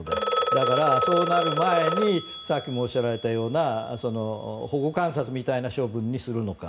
だから、そうなる前にさっきもおっしゃられたような保護観察みたいな処分にするのか。